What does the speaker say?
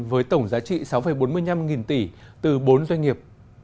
với tổng giá trị sáu bốn mươi năm nghìn tỷ từ bốn doanh nghiệp